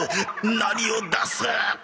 何を出す？